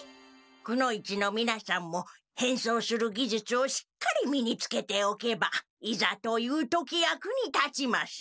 くの一のみなさんも変装するぎじゅつをしっかり身につけておけばいざという時役に立ちます。